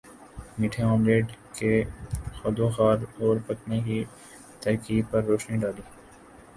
میٹھے آملیٹ کے خدوخال اور پکانے کی ترکیب پر روشنی ڈالی